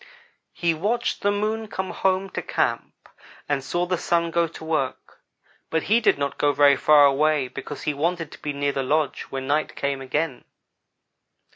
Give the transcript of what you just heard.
"He watched the Moon come home to camp and saw the Sun go to work, but he did not go very far away because he wanted to be near the lodge when night came again.